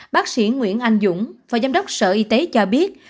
bác sĩ nguyễn anh dũng phó giám đốc sở y tế cho biết